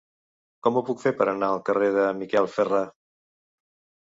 Com ho puc fer per anar al carrer de Miquel Ferrà?